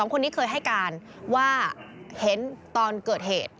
คนนี้เคยให้การว่าเห็นตอนเกิดเหตุ